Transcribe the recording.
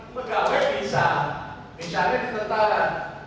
kalau tidak ada akuran pegawai bisa misalnya di tentara